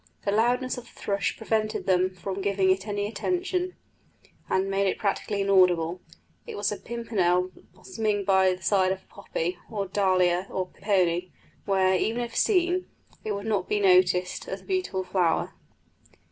The loudness of the thrush prevented them from giving it any attention, and made it practically inaudible. It was like a pimpernel blossoming by the side of a poppy, or dahlia, or peony, where, even if seen, it would not be noticed as a beautiful flower.